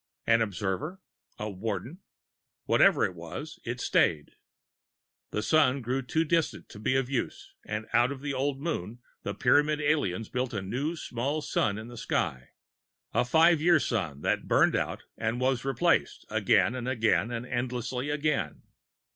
An observer? A warden? Whatever it was, it stayed. The sun grew too distant to be of use, and out of the old Moon, the Pyramid aliens built a new small sun in the sky a five year sun that burned out and was replaced, again and again and endlessly again.